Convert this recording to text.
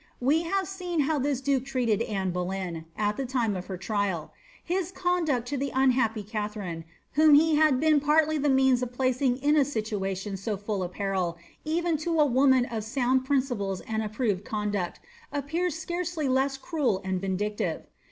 We have seen how this duke treated Anne Boleyn, at the time of her trial) his conduct to the unhappy Katharine, whom he had been pardy the means of placing in a situation so full of peril, even to a woman of sound principles and approved conduct, appears scarcely less cruel and vindictive.